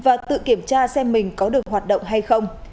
và tự kiểm tra xem mình có được hoạt động hay không